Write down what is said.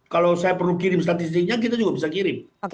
kalau saya perlu kirim statistiknya kita juga bisa kirim